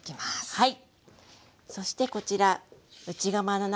はい。